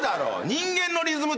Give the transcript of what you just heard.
人間のリズム。